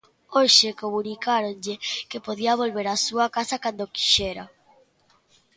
Hoxe comunicáronlle que podía volver á súa casa cando quixera.